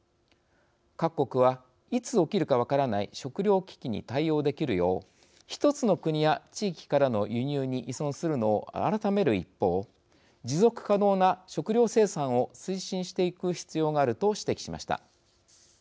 各国は、いつ起きるか分からない食料危機に対応できるよう１つの国や地域からの輸入に依存するのを改める一方持続可能な食料生産を推進していく必要がある」と指摘しました。